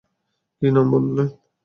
কী নাম বললে?